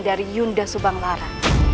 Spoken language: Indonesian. dari dinda subang lara